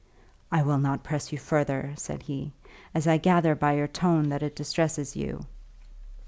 "I will not press you further," said he, "as I gather by your tone that it distresses you."